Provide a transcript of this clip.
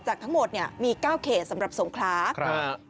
ทั้งหมดเนี่ยมีเก้าเขตสำหรับสงคราครับ